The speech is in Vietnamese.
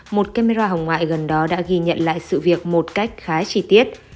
một camera hồng ngoại gần đó đã ghi nhận lại sự việc một cách khá chi tiết